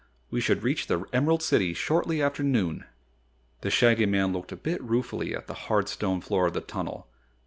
We should reach the Emerald City shortly after noon." The Shaggy Man looked a bit ruefully at the hard stone floor of the tunnel.